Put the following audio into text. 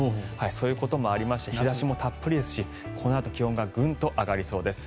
そういうこともありまして日差しもたっぷりですしこのあと気温がグンと上がりそうです。